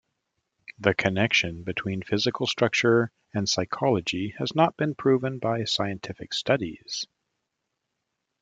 The connection between physical structure and psychology has not been proven by scientific studies.